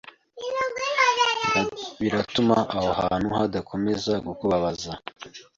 Biratuma aho hantu hadakomeza kukubabaza.